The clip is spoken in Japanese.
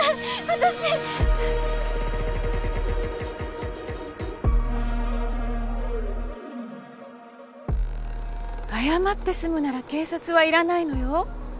私謝って済むなら警察はいらないのよ